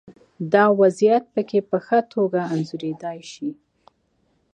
دا وضعیت پکې په ښه توګه انځورېدای شي.